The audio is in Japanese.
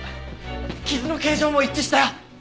傷の形状も一致したよ！